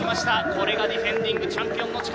これがディフェンディングチャンピオンの力。